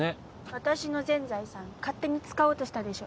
私の全財産勝手に使おうとしたでしょ？